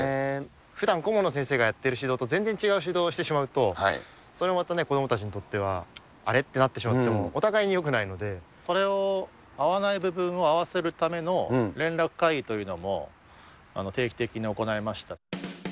ふだん、顧問の先生がやっている指導と全然違う指導をしてしまうと、それもまたね、子どもたちにとっては、あれってなってしまっても、それを合わない部分を合わせるための連絡会議というのも、定期的に行いました。